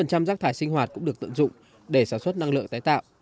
chín mươi chín rác thải sinh hoạt cũng được tượng dụng để sản xuất năng lượng tái tạo